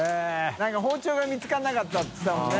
燭包丁が見つからなかったって言ってたもんね。